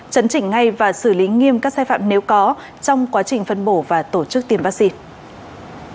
chấn chỉnh ngay và xử lý nghiêm các sai phạm nếu có trong quá trình phân bổ và tổ chức tiêm vaccine